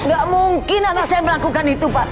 gak mungkin anak saya melakukan itu pak